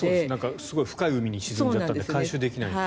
すごい深い海に沈んじゃったので回収ができないと。